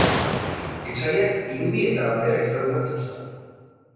Etsaiak irudi eta bandera ezagunak zeuzkan.